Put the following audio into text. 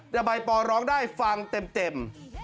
แต่ใบปอร้องได้ฟังเต็ม